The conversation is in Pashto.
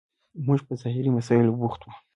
موږ په ظاهري مسایلو بوخت یو.